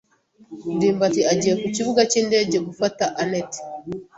ndimbati agiye ku kibuga cyindege gufata anet.